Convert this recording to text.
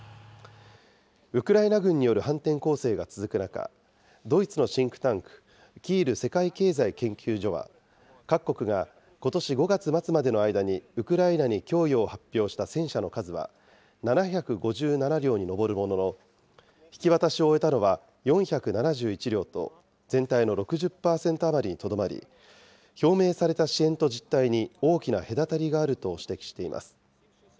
ウクライナ軍による反転攻勢が続く中、ドイツのシンクタンク、キール世界経済研究所は、各国がことし５月末までの間にウクライナに供与を発表した戦車の数は、７５７両に上るものの、引き渡しを終えたのは４７１両と、全体の６０％余りにとどまり、表明された支援と実態に大きな隔たりがあると指摘しています。